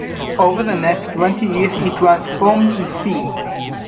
Over the next twenty years he transformed his see.